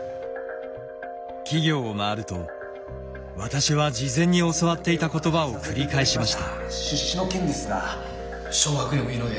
企業を回ると私は事前に教わっていた言葉を繰り返しました。